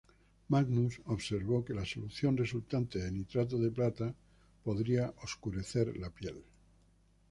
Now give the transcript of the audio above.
Magnus observó que la solución resultante de nitrato de plata podría oscurecer la piel.